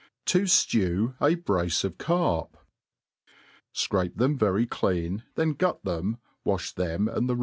^ T^JIew a Brace of Carp. SCRAP]^ them very clean^ then gut tbem» wafh them and "^>.